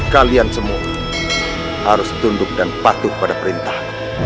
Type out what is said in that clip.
kalian semua harus tunduk dan patuh pada perintah